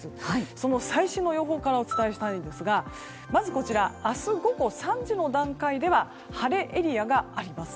その最新の予報からお伝えしたいんですがまず、明日午後３時の段階では晴れエリアがあります。